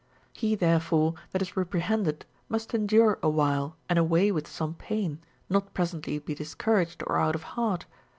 He therefore that is repre hended must endure awhile and away with some pain, not presently be discouraged or out of heart.